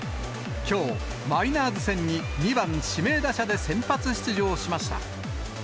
きょう、マリナーズ戦に２番指名打者で先発出場しました。